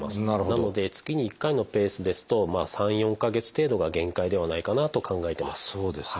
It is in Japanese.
なので月に１回のペースですと３４か月程度が限界ではないかなと考えてます。